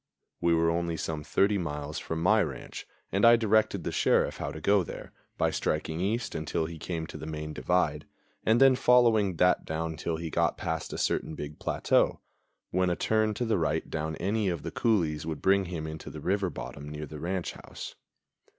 We were only some thirty miles from my ranch, and I directed the Sheriff how to go there, by striking east until he came to the main divide, and then following that down till he got past a certain big plateau, when a turn to the right down any of the coulees would bring him into the river bottom near the ranch house.